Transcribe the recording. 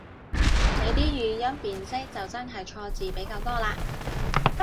你啲語音辨識就真係錯字比較多嘞